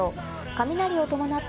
雷を伴っ